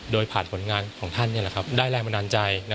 โดยผ่านผลงานของท่านได้แรงบันดาลใจ